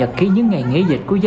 dưới công viên giờ rất là nắng